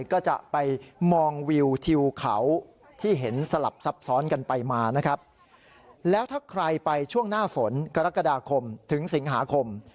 ก็จะไปมองวิวทิวเขาที่เห็นสลับซับซ้อนกันไปมานะครับแล้วถ้าใครไปช่วงหน้าฝนกรกฎาคมถึงสิงหาคม